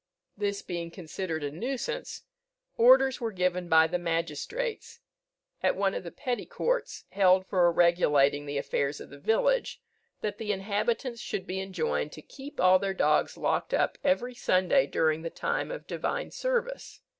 This being considered a nuisance, orders were given by the magistrates, at one of the petty courts held for regulating the affairs of the village, that the inhabitants should be enjoined to keep all their dogs locked up every Sunday during the time of divine service.